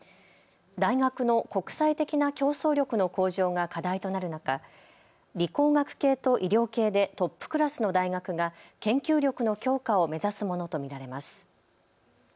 大学の国際的な競争力の向上が課題となる中、理工学系と医療系でトップクラスの大学が研究力の強化を目指すものと見られます。